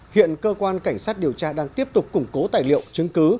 hiện cơ quan cảnh sát điều tra đang tiếp tục củng cố tài liệu chứng cứ